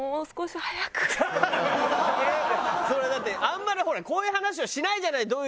それはだってあんまりほらこういう話はしないじゃない。